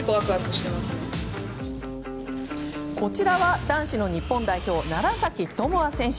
こちらは男子の日本代表楢崎智亜選手。